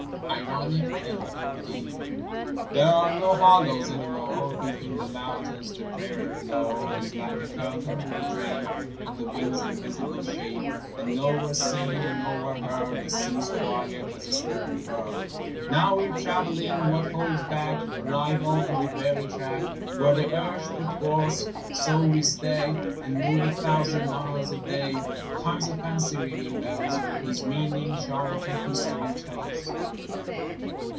IRONIC: LL.D. There are no hollows any more Between the mountains; the prairie floor Is like a curtain with the drape Of the winds' invisible shape; And nowhere seen and nowhere heard The sea's quiet as a sleeping bird. Now we're traveling, what holds back Arrival, in the very track Where the urge put forth; so we stay And move a thousand miles a day. Time's a Fancy ringing bells Whose meaning, charlatan history, tells!